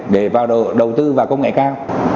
để vào đầu tư vào công nghệ cao